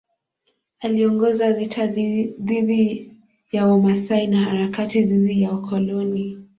Aliongoza vita dhidi ya Wamasai na harakati dhidi ya wakoloni.